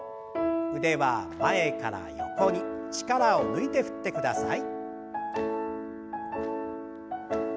腕は前から横に力を抜いて振ってください。